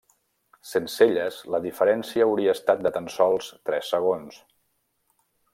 Sense elles la diferència hauria estat de tan sols tres segons.